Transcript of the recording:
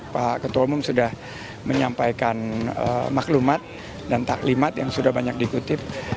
pak ketua umum sudah menyampaikan maklumat dan taklimat yang sudah banyak dikutip